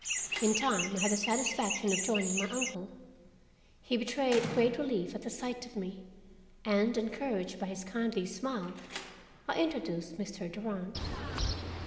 In time I had the satisfaction of joining my uncle. He betrayed great relief at the sight of me, and, encouraged by his kindly smile, I introduced Mr. Durand.